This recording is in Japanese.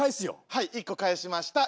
はい１個返しました。